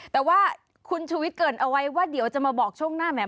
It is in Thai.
แต่ว่าคุณชูวิทยเกิดเอาไว้ว่าเดี๋ยวจะมาบอกช่วงหน้าแหม